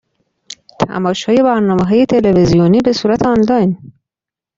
تماشای برنامه های تلویزیونی بصورت آنلاین